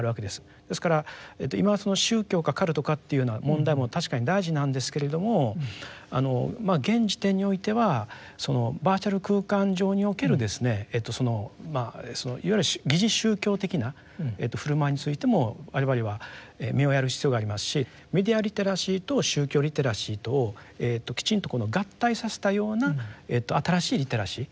ですから今宗教かカルトかというような問題も確かに大事なんですけれどもまあ現時点においてはバーチャル空間上におけるいわゆる疑似宗教的な振る舞いについても我々は目をやる必要がありますしメディアリテラシーと宗教リテラシーとをきちんと合体させたような新しいリテラシー